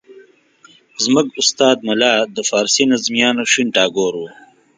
زموږ استاد ملا د فارسي د نظمیاتو شین ټاګور وو.